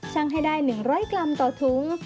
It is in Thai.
ให้ได้๑๐๐กรัมต่อถุง